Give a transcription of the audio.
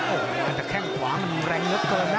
โอ้อันนี้จะแข้งขวามันแรงเยอะเกินนะ